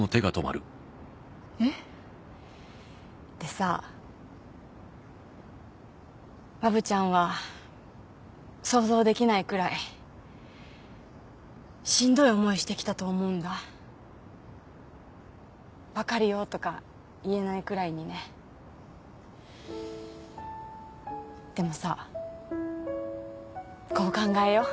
えっ？でさわぶちゃんは想像できないくらいしんどい思いしてきたと思うんだわかるよとか言えないくらいにねでもさこう考えよう